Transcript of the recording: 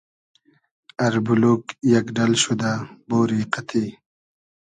اربولوگ یئگ ۮئل شودۂ بۉری قئتی